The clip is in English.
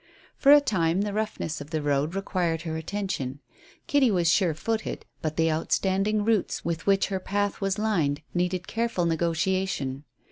For a time the roughness of the road required her attention. Kitty was surefooted, but the outstanding roots with which her path was lined needed careful negotiation.